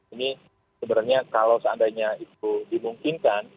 ini sebenarnya kalau seandainya itu dimungkinkan